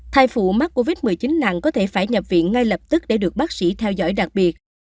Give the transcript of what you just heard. thai phụ mắc covid một mươi chín nặng có thể phải nhập viện ngay lập tức để được bác sĩ theo dõi đặc biệt